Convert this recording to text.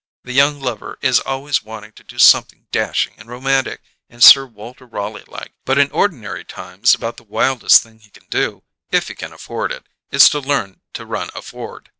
The young lover is always wanting to do something dashing and romantic and Sir Walter Raleigh like, but in ordinary times about the wildest thing he can do, if he can afford it, is to learn to run a Ford.